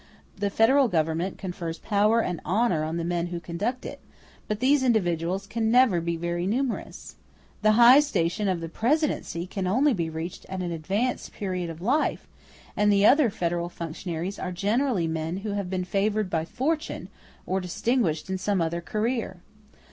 The federal government confers power and honor on the men who conduct it; but these individuals can never be very numerous. The high station of the Presidency can only be reached at an advanced period of life, and the other federal functionaries are generally men who have been favored by fortune, or distinguished in some other career.